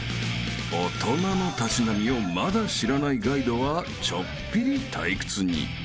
［大人のたしなみをまだ知らないガイドはちょっぴり退屈に］